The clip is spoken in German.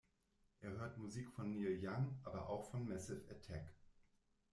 Er hört Musik von Neil Young, aber auch von Massive Attack.